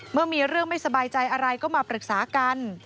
เมื่อมีเรื่องไม่สบายใจอะไรก็มาปรึกษากัน